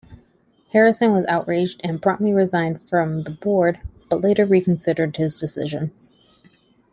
Harrison was outraged and promptly resigned from the board, but later reconsidered his decision.